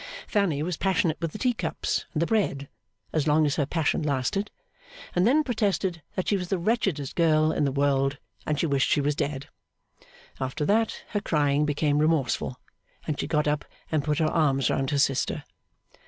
Fanny was passionate with the tea cups and the bread as long as her passion lasted, and then protested that she was the wretchedest girl in the world, and she wished she was dead. After that, her crying became remorseful, and she got up and put her arms round her sister.